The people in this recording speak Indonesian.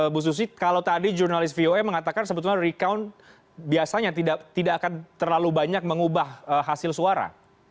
bu susi kalau tadi jurnalis voa mengatakan sebetulnya recount biasanya tidak akan terlalu banyak mengubah hasil suara